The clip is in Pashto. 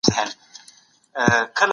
مرګ د بدن له ځورونې څخه یوه خوږه پېښه ده.